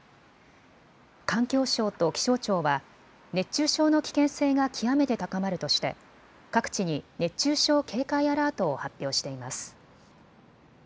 環境省と気象庁は熱中症の危険性が極めて高まるとして各地に熱中症警戒アラートを発表しています。